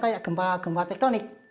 kayak gempa tektonik